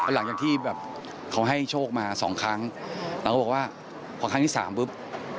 หลังจากที่แบบเขาให้โฉ่งมาสองครั้งแล้วแกบว่าขอเท่าที่๓ปื้บ